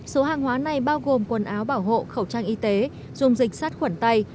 số hàng hóa này bao gồm quần áo bảo hộ khẩu trang y tế dùng dịch sát khuẩn tay